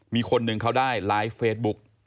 มีคนหนึ่งเขาได้ไลฟ์เฟซบุ๊ก